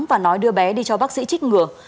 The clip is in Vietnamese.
và nói đưa bé đi cho bác sĩ trích ngừa